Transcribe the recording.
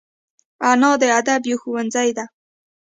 انا د ادب یو ښوونځی ده